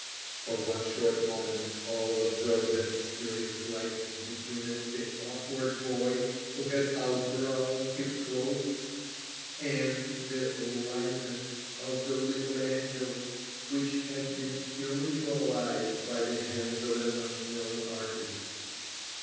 For one short moment all observed a mysterious likeness between the awkward boy who had outgrown his clothes, and the lineaments of the little angel, which had been spiritualised by the hand of an unknown artist.